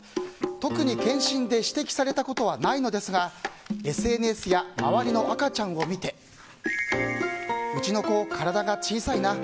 特に健診で指摘されたことはないのですがＳＮＳや周りの赤ちゃんを見てうちの子、体が小さいな。